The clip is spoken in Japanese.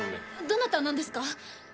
どなたなんですか？